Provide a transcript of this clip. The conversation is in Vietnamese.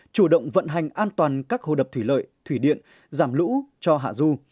chủ động vận hành an toàn các hồ đập thủy lợi thủy điện giảm lũ cho hà lưu